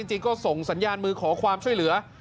จริงก็ส่งสัญญาณมือขอความช่วยเหลือ